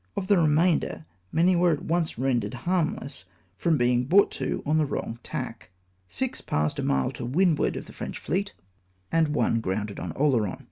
Of the remainder, many were at once rendered harmless, from being brought to on the wrong tack. Six passed a mile to windward of the French fleet, and 380 TEREOR OF THE FRENCH. one grounded on Oleron.